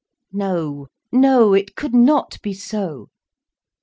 No, no it could not be so.